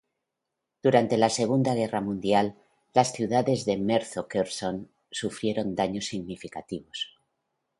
Durante la Segunda Guerra Mundial, las ciudades de Merpho-Kherson sufrieron daños significativos.